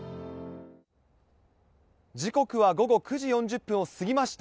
時刻は午後９時４０分を過ぎました。